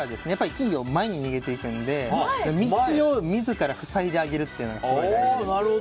金魚は前に逃げていくので道を自ら塞いであげるのがすごい大事です。